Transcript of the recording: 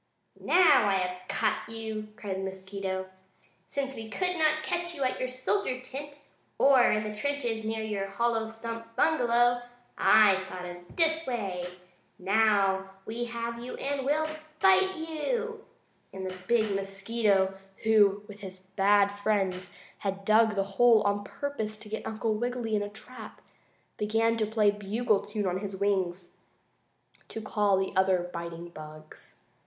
"Now I have caught you!" cried the mosquito. "Since we could not catch you at your soldier tent or in the trenches near your hollow stump bungalow, I thought of this way. Now we have you and we'll bite you!" and the big mosquito, who with his bad friends had dug the hole on purpose to get Uncle Wiggily in a trap, began to play a bugle tune on his wings to call the other biting bugs.